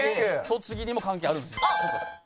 栃木にも関係あるんですよ。